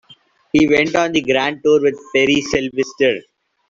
He went on the grand tour with Pierre Sylvestre.